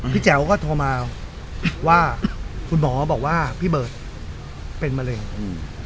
แจ๋วก็โทรมาว่าคุณหมอบอกว่าพี่เบิร์ตเป็นมะเร็งอืม